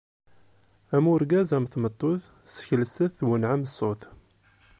Am urgaz am tmeṭṭut, sskelset twennɛem ṣṣut!